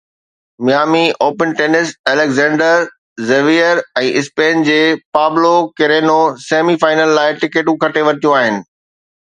Miami open tennis Alexander Zverev ۽ Spain جي Pablo Carreno semifinal لاءِ ٽڪيٽون کٽي ورتيون آهن.